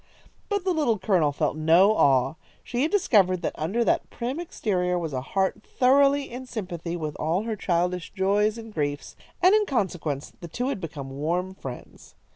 But the Little Colonel felt no awe. She had discovered that under that prim exterior was a heart thoroughly in sympathy with all her childish joys and griefs, and in consequence the two had become warm friends.